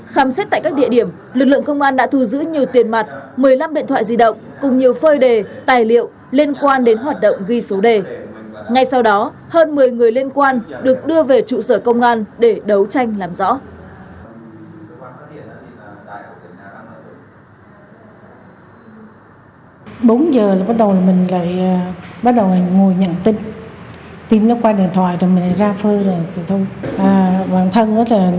khám xét tại các địa điểm lực lượng công an đã thu giữ nhiều tiền mặt một mươi năm điện thoại di động